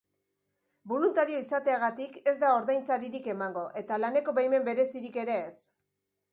Boluntario izateagatik ez da ordainsaririk emango eta laneko baimen berezirik ere ez.